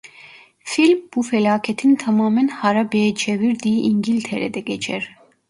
Film bu felaketin tamamen harabeye çevirdiği İngiltere'de geçer.